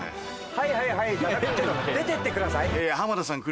「はいはいはい」じゃなくて出てってください。